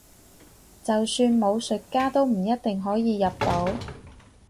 就算武術家都唔一定可以入到